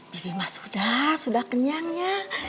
bibi mah sudah kenyang ya